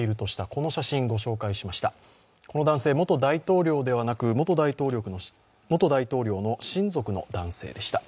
この男性、元大統領ではなく元大統領の親族の男性でした。